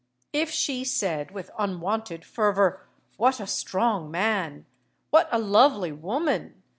If she said with unwonted fervour, "What a strong man!" "What a lovely woman!"